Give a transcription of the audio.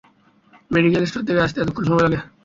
Medical store থেকে আসতে এতক্ষণ সময় লাগে?